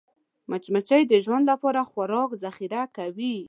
مچمچۍ د ژمي لپاره خوراک ذخیره کوي